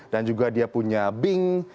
dan juga dia punya bing